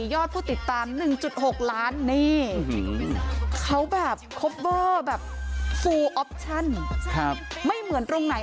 ยอดผู้ติดตามหนึ่งจุดหกล้านนี่เขาแบบแบบครับไม่เหมือนตรงไหน